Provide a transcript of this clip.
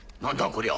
こりゃ。